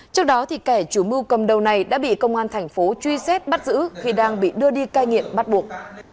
trước đó kẻ chủ mưu cầm đầu này đã bị công an thành phố truy xét bắt giữ khi đang bị đưa đi cai nghiện bắt buộc